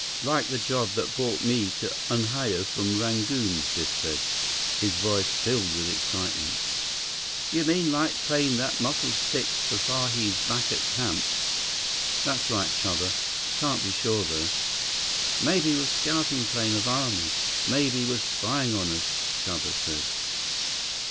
Like the job that brought me to Unhao from Rangoon," Biff said, his voice filled with excitement. "You mean like plane that Muscles fix for sahibs back at camp?" "That's right, Chuba. Can't be sure, though." "Maybe was scouting plane of army. Maybe was spying on us," Chuba said.